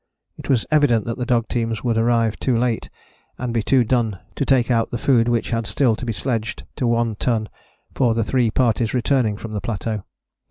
It was evident that the dog teams would arrive too late and be too done to take out the food which had still to be sledged to One Ton for the three parties returning from the plateau.